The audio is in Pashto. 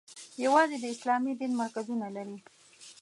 یوازې د اسلامي دین مرکزونه لري.